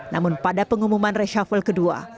namun pada pengumuman reshuffle kedua